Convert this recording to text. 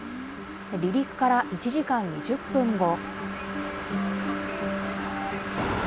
離陸から１時間２０分後。